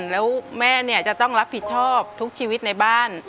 แล้วแม่จะต้องรับผิดชอบทุกชีวิตในบ้าน